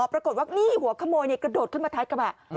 ปรากฏว่านี่หัวขโมยกระโดดขึ้นมาท้ายกระบะ